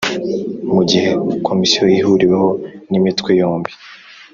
Mu gihe Komisiyo ihuriweho n Imitwe yombi